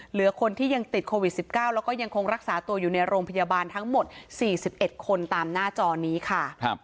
เหลือคนที่ยังติดโควิด๑๙แล้วก็ยังคงรักษาตัวอยู่ในโรงพยาบาลทั้งหมด๔๑คนตามหน้าจอนี้ค่ะ